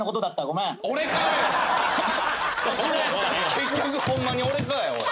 結局ホンマに俺かよおい。